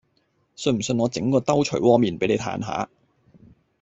信唔信我整個兜捶窩面俾你嘆下